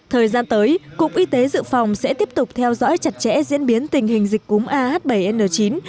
thời gian tới cục y tế dự phòng sẽ tiếp tục theo dõi chặt chẽ diễn biến tình hình dịch cúng ah bảy n chín